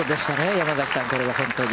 山崎さん、これは本当に。